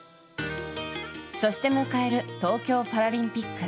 そして迎える東京パラリンピック。